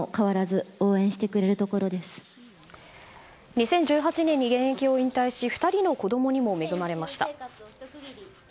２０１８年に現役を引退し２人の子供にも恵まれました。